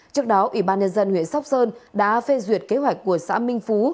trước đó ủy ban nhân dân huyện sóc sơn đã phê duyệt kế hoạch của xã minh phú